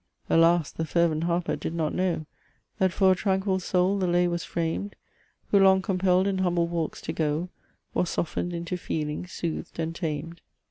"Alas! the fervent harper did not know, That for a tranquil Soul the Lay was framed, Who, long compelled in humble walks to go, Was softened into feeling, soothed, and tamed.